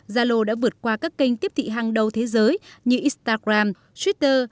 zalo đã vượt qua các kênh tiếp thị hàng đầu thế giới như instagram twitter